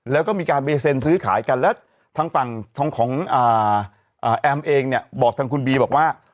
แล้วก็มีการไปเซ็นซื้อขายกันแล้วทางฝั่งของแอมเองเนี่ยบอกทางคุณบีบอกว่า